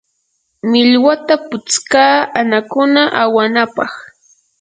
millwata putskaa anakuta awanapaq.